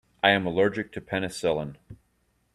I am allergic to penicillin.